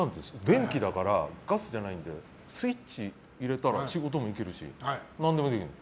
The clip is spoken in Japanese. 電気だから、ガスじゃないのでスイッチ入れたらできるし何でもできるの。